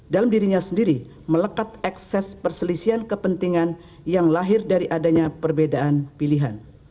dalam dirinya sendiri melekat ekses perselisian kepentingan yang lahir dari adanya perbedaan pilihan